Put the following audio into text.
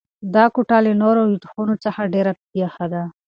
دا کوټه له نورو خونو څخه ډېره یخه ده.